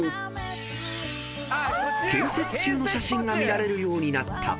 ［建設中の写真が見られるようになった］